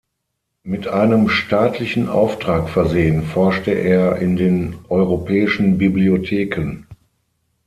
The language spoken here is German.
Mit einem staatlichen Auftrag versehen, forschte er in den europäischen Bibliotheken.